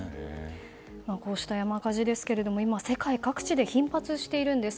こうした山火事ですが今世界各地で頻発しているんです。